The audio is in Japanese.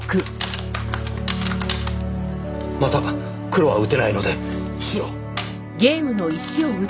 また黒は打てないので白。